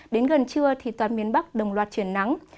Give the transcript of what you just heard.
đến gần trưa thì toàn miền bắc đồng loạt chuyển nắng